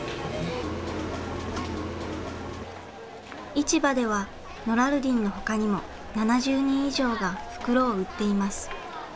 市場ではノラルディンのほかにも７０人以上が袋を売っています。